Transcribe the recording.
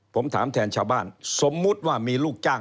ผมถามแทนชาวบ้านสมมุติว่ามีลูกจ้าง